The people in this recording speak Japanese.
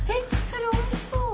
それおいしそう。